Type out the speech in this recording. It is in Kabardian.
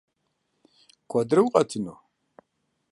Куэдрэ укъэтыну?